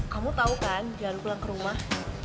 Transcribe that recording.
kamu tau kan jangan pulang ke rumah